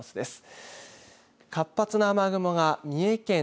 現在の雨の様子です。